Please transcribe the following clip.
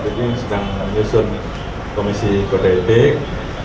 bg sedang menyusun komisi kode etik